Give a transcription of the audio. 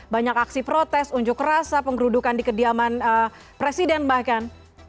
banyak aksi protes unjuk rasa penggerudukan di kediaman presiden bahkan